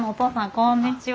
こんにちは。